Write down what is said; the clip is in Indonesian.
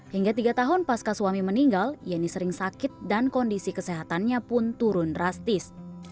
hingga tiga tahun pasca suami meninggal yeni sering sakit dan kondisi kesehatannya pun turun drastis